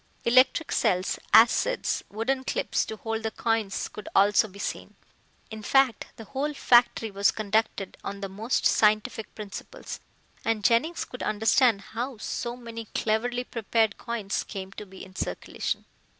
Electric cells, acids, wooden clips to hold the coins could also be seen. In fact the whole factory was conducted on the most scientific principles, and Jennings could understand how so many cleverly prepared coins came to be in circulation.